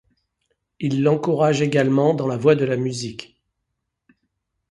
Il l'encourage également dans la voie de la musique.